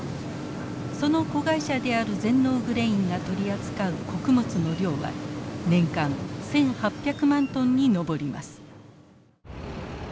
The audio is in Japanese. その子会社である全農グレインが取り扱う穀物の量は年間１，８００万トンに上ります。